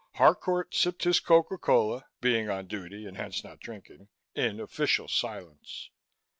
Harcourt sipped his Coca Cola, being on duty and hence not drinking, in official silence.